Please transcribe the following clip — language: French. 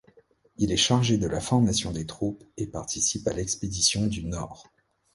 Il est chargé de la formation des troupes et participe à l'expédition du Nord.